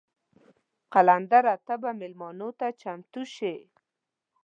قلندره ته به میلمنو ته چمتو شې.